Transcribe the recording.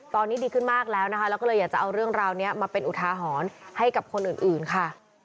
ตอนนี้ดีขึ้นมากแล้วนะคะแล้วก็เลยอยากจะเอาเรื่องราวนี้มาเป็นอุทาหรณ์ให้กับคนอื่นค่ะ